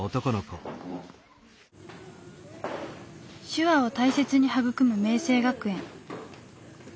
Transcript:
手話を大切に育む明晴学園。